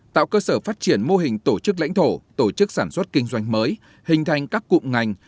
tạo cơ sở phát triển mô hình tổ chức lãnh thổ tổ chức sản xuất kinh doanh mới hình thành các cụm ngành